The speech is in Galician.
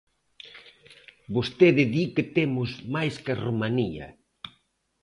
Vostede di que temos máis que Romanía.